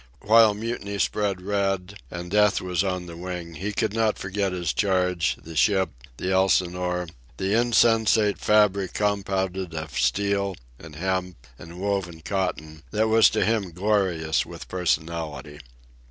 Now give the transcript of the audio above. While mutiny spread red, and death was on the wing, he could not forget his charge, the ship, the Elsinore, the insensate fabric compounded of steel and hemp and woven cotton that was to him glorious with personality.